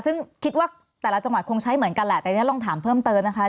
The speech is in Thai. ซึ่งคิดว่าแต่ละจังหวัดคงใช้เหมือนกันแหละแต่ทีนี้ลองถามเพิ่มเติมนะคะ